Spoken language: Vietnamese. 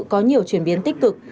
có nhiều chuyển biến tích cực